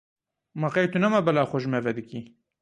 Ma qey tu nema bela xwe ji me vedikî!